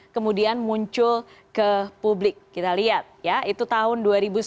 kemudian muncul ke publik kita lihat ya itu tahun dua ribu sembilan belas